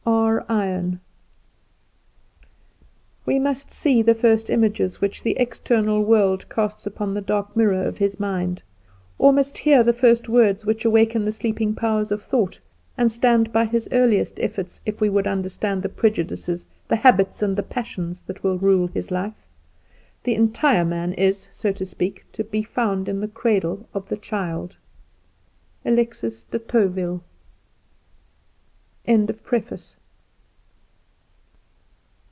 R. Iron. "We must see the first images which the external world casts upon the dark mirror of his mind; or must hear the first words which awaken the sleeping powers of thought, and stand by his earliest efforts, if we would understand the prejudices, the habits, and the passions that will rule his life. The entire man is, so to speak, to be found in the cradle of the child." Alexis de Tocqueville.